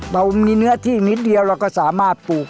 เรามีเนื้อที่นิดเดียวเราก็สามารถปลูก